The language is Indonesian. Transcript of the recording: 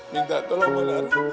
minta tolong menaruh